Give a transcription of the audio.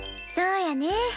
そうやね。